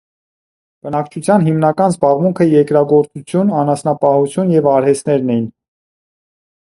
Բնակչության հիմնական զբաղմունքը երկրագործություն, անասնապահություն և արհեստներն էին։